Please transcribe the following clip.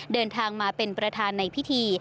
เดินทางมาเป็นประธานในพิธี